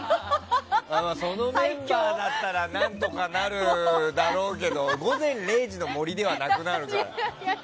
そのメンバーだったら何とかなるけど「午前０時の森」ではなくなるな。